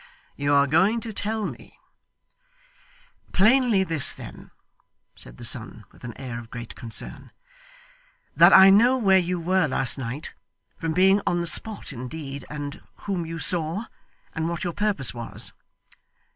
You are going to tell me' 'Plainly this, then,' said the son, with an air of great concern, 'that I know where you were last night from being on the spot, indeed and whom you saw, and what your purpose was.